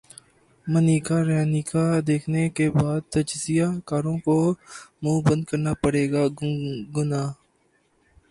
منیکارنیکا دیکھنے کے بعد تجزیہ کاروں کو منہ بند کرنا پڑے گا کنگنا